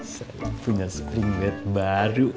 saya punya spring wed baru